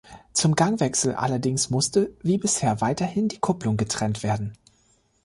Zum Gangwechsel allerdings musste, wie bisher, weiterhin die Kupplung getrennt werden.